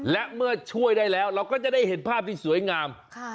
และเมื่อช่วยได้แล้วเราก็จะได้เห็นภาพที่สวยงาม